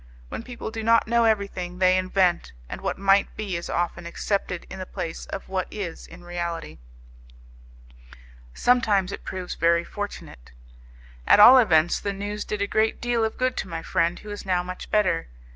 When people do not know everything, they invent, and what might be is often accepted in the place of what is in reality; sometimes it proves very fortunate. At all events the news did a great deal of good to my friend, who is now much better.